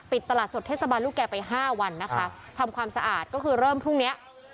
ตลาดสดเทศบาลลูกแก่ไปห้าวันนะคะทำความสะอาดก็คือเริ่มพรุ่งเนี้ย